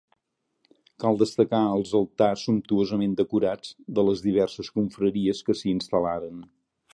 Cal destacar els altars sumptuosament decorats, de les diverses confraries que s'hi instal·laren.